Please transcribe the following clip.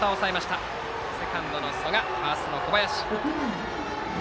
セカンドの曽我からファーストの小林へ。